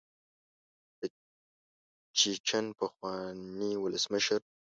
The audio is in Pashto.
د چیچن پخواني ولسمشر.